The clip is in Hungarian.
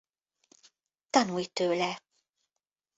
Tanulj tőle.